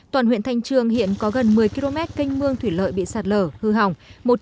toàn huyện thanh trường hiện có gần một mươi km canh mương thủy lợi bị sạt lở hư hỏng